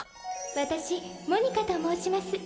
私モニカと申します